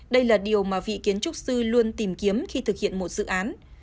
đây là điều mà vị kiến trúc sư luôn tìm kiếm khi thực hiện một dự án